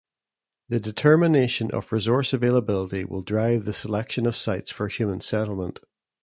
The determination of resource availability will drive the selection of sites for human settlement.